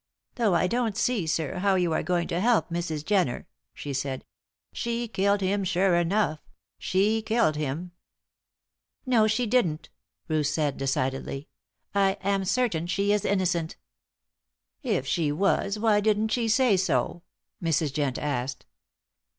"Though I don't see, sir, how you are going to help Mrs. Jenner," she said. "She killed him sure enough; she killed him." "No, she didn't," Ruth said, decidedly. "I am certain she is innocent." "If she was, why didn't she say so?" Mrs. Jent asked.